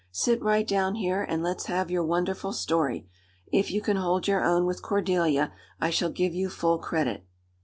Sit right down here, and let's have your wonderful story. If you can hold your own with Cordelia I shall give you full credit."